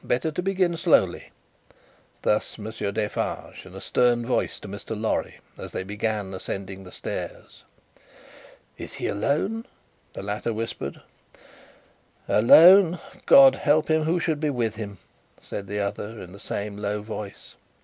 Better to begin slowly." Thus, Monsieur Defarge, in a stern voice, to Mr. Lorry, as they began ascending the stairs. "Is he alone?" the latter whispered. "Alone! God help him, who should be with him!" said the other, in the same low voice.